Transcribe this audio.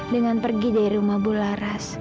dengan pergi dari rumah bu laras